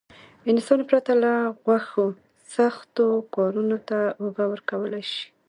انسان پرته له غوښو سختو کارونو ته اوږه ورکولای شي.